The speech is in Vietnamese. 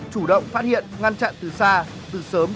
chủ động phát hiện ngăn chặn từ xa từ sớm